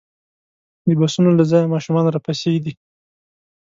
د بسونو له ځایه ماشومان راپسې دي.